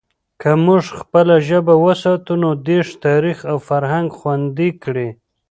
که موږ خپله ژبه وساتو، نو دیرش تاریخ او فرهنگ خوندي کړي.